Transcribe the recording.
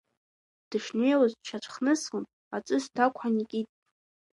Дышнеиуаз дшьацәхныслан, аҵыс дақәҳан икит.